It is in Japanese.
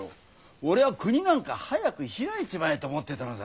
俺は国なんか早く開いちまえと思ってたのさ。